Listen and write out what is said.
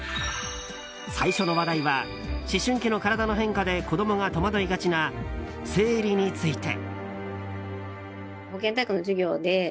最初の話題は思春期の体の変化で子供が戸惑いがちな生理について。